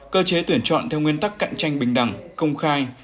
cơ chế tuyển chọn theo nguyên tắc cạnh tranh bình đẳng công khai